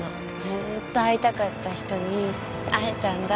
ずっと会いたかった人に会えたんだ。